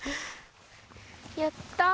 やったー！